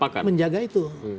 untuk menjaga itu